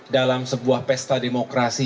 dalam sebuah pesta demokrasi